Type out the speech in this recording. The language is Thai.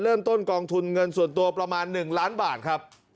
กองทุนเงินส่วนตัวประมาณ๑ล้านบาทครับ